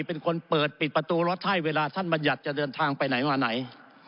เป็นคนเปิดปิดประตูรถให้เวลาท่านบัญญัติจะเดินทางไปไหนมาไหน